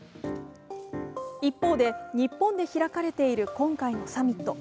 一方で日本で開かれている今回のサミット。